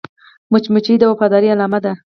مچمچۍ د وفادارۍ علامه ده